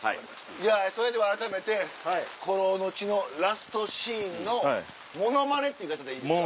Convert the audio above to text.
じゃあそれではあらためて『孤狼の血』のラストシーンのものまねって言い方でいいですか。